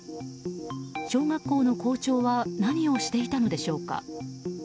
小学校の校長は何をしていたのでしょうか。